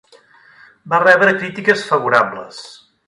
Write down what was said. Va rebre crítiques favorables.